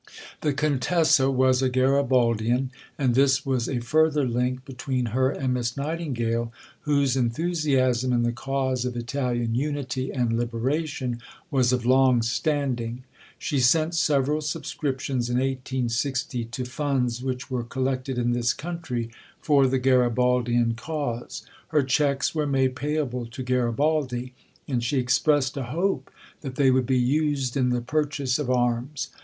The Contessa was a Garibaldian, and this was a further link between her and Miss Nightingale, whose enthusiasm in the cause of Italian unity and liberation was of long standing. She sent several subscriptions in 1860 to funds which were collected in this country for the Garibaldian cause. Her cheques were made payable to "Garibaldi," and she expressed a hope that they would be used in the purchase of arms.